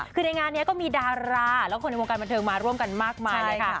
คือในงานนี้ก็มีธุรกิจดาราอยู่ในวงการบันเทิงมาร่วมกันมากมาย